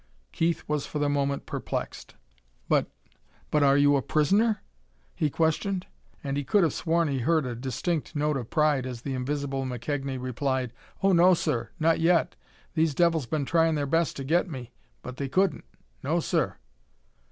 Keith was for the moment perplexed. "But but, are you a prisoner?" he questioned. And he could have sworn he heard a distinct note of pride as the invisible McKegnie replied: "Oh, no, sir! Not yet! These devils been tryin' their best to get me, but they couldn't! No, sir!"